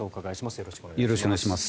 よろしくお願いします。